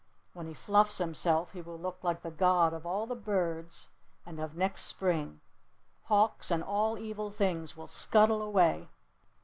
When he fluffs himself he will look like the god of all the birds and of next Spring! Hawks and all evil things will scuttle away!"